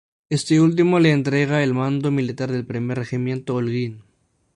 Este último le entrega el mando militar del Primer Regimiento Holguín.